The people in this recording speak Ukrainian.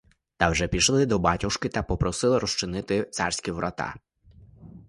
Та вже пішли до батюшки та попросили розчинити царські врата.